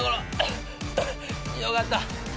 よかった。